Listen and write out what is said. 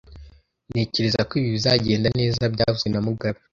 Ntekereza ko ibi bizagenda neza byavuzwe na mugabe